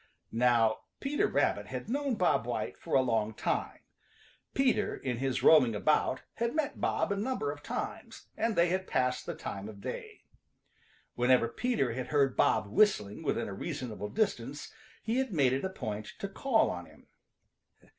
Now Peter Rabbit had known Bob White for a long time. Peter, in his roaming about, had met Bob a number of times, and they had passed the time of day. Whenever Peter had heard Bob whistling within a reasonable distance he had made it a point to call on him.